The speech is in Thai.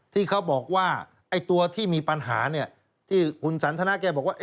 ที่เขาบอกว่าตัวที่มีปัญหาที่คุณสันทนาแกบอกว่า